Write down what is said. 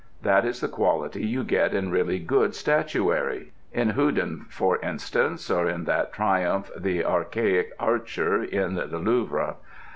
That is the quality you get in really good statuary in Houdon, for instance, or in that triumph the archaic Archer in the Louvre.